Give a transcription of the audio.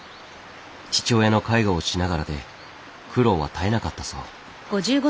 父親の介護をしながらで苦労は絶えなかったそう。